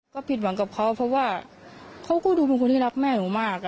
ก็ผิดหวังกับเขาเพราะว่าเขาก็ดูเป็นคนที่รักแม่หนูมาก